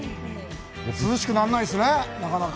涼しくならないですね、なかなか。